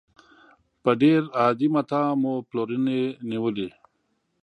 په ډېر عادي متاع مو پلورنې نېولې.